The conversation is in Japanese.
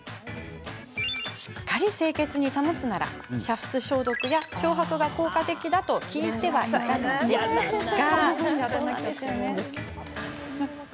しっかり清潔に保つなら煮沸消毒や漂白が効果的だと聞いてはいたのですが。